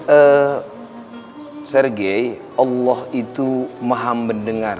ohto allah itu maham mendengar